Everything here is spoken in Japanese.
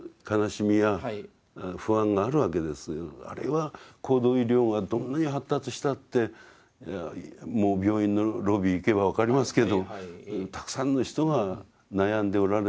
あるいは高度医療がどんなに発達したってもう病院のロビー行けば分かりますけどたくさんの人が悩んでおられる。